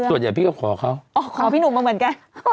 อ๋อเหรอนานก็ไม่เนอะ